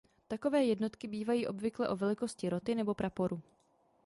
Takové jednotky bývají obvykle o velikosti roty nebo praporu.